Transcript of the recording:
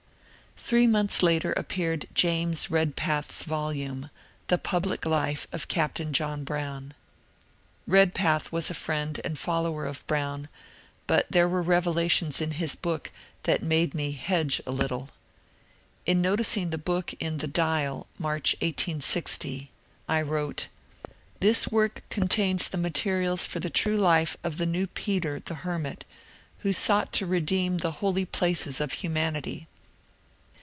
Three months later appeared James Bedpath's volume, The Public Life of Captain John Brown/' Bedpath was a friend and follower of Brown, but there were revelations in his book that made me ^^ hedge " a little. In noticing the book in the " Dial," March, 1860, 1 wrote :— This work contains the materials for the true life of the new Peter the Hermit, who sought to redeem the Holy Places of Humanity.